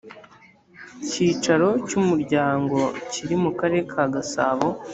icyicaro cy umuryango kiri mu karere ka gasabo